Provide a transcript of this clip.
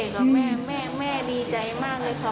กับแม่แม่ดีใจมากเลยค่ะ